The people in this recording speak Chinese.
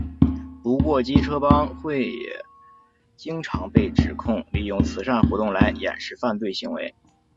不过机车帮会也经常被指控利用慈善活动来掩饰犯罪行为。